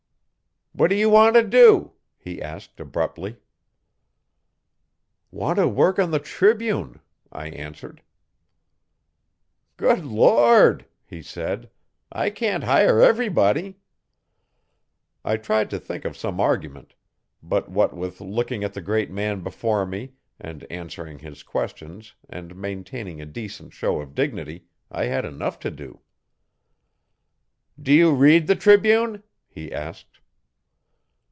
'What do you want to do?' he asked abruptly.' 'Want to work on the Tribune,' I answered.' 'Good Lord! he said. 'I can't hire everybody.' I tried to think of some argument, but what with looking at the great man before me, and answering his questions and maintaining a decent show of dignity, I had enough to do. 'Do you read the Tribune? he asked.'